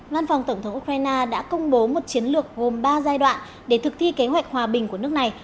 văn phòng tổng thống ukraine đã công bố một chiến lược gồm ba giai đoạn để thực thi kế hoạch hòa bình của nước này